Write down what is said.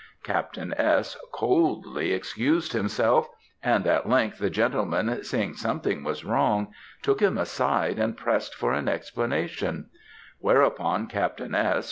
Captain S. coldly excused himself and, at length, the gentleman seeing something was wrong, took him aside, and pressed for an explanation; whereupon Captain S.